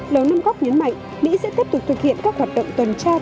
lớn năm góc nhấn mạnh mỹ sẽ tiếp tục thực hiện các hoạt động tuần trai